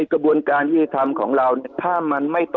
กระบวนการยืดธรรมของเรา